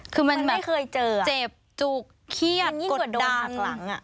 คือมันแบบเจ็บจุกเคียดกดดาดหลัง